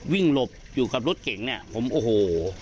หลบอยู่กับรถเก่งเนี่ยผมโอ้โห